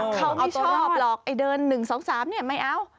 เขาไม่ชอบหลอกเดิน๑๒๓ไม่เอา